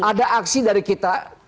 ada aksi dari kita